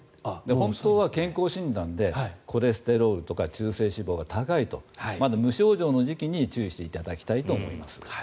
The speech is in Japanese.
本当は健康診断でコレステロールとか中性脂肪が高いと無症状の時期に注意していただきたいと思います。